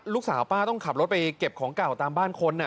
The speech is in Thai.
ลูกสาวป้าต้องขับรถไปเก็บของเก่าตามบ้านคน